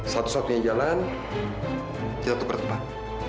satu satunya jalan kita tukar depan